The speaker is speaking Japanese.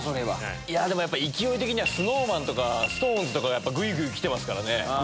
いやー、でもやっぱり、勢い的にはＳｎｏｗＭａｎとか、ＳｉｘＴＯＮＥＳとか、やっぱりぐいぐいきてますからね。